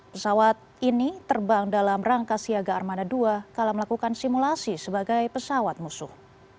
pesawat ini terbang dalam rangka siaga armada dua kalau melakukan simulasi sebagai pesawat musuh